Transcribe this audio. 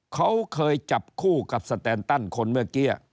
เขาเคยจับคู่กับสแตนตันคนเมื่อกี้